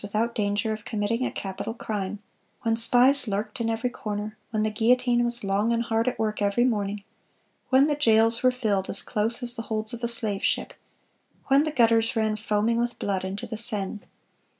without danger of committing a capital crime; when spies lurked in every corner; when the guillotine was long and hard at work every morning; when the jails were filled as close as the holds of a slave ship; when the gutters ran foaming with blood into the Seine....